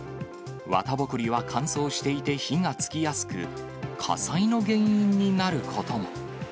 綿ぼこりは乾燥していて火がつきやすく、火災の原因になることも。